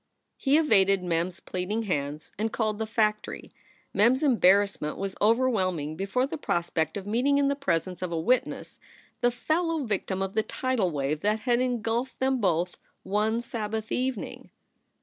He evaded Mem s pleading hands and called the factory. Mem s embarrassment was overwhelming before the prospect of meeting in the presence of a witness the fellow victim of the tidal wave that had engulfed them both one Sabbath evening.